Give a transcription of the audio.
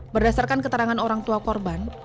berdasarkan keterangan orang tua korban